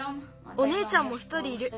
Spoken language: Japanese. おねえちゃんも１人いる。